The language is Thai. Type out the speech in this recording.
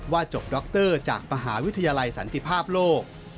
ว่าจบด็อกเตอร์จากมหาวิทยาลัยสันติภาพโลก